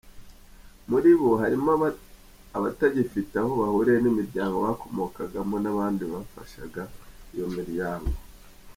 Muri bo, harimo abatagifite aho bahuriye n’imiryango bakomokagamo n’abandi bafashaga iyo miryango.